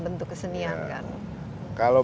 bentuk kesenian kan kalau